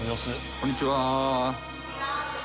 こんにちは。